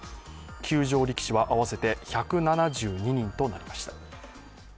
休場力士は合わせて１７２人となりました。